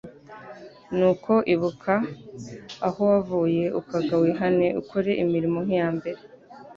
Nuko ibuka aho wavuye ukagwa wihane ukore imirimo nk'iya mbere,